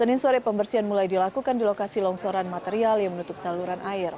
senin sore pembersihan mulai dilakukan di lokasi longsoran material yang menutup saluran air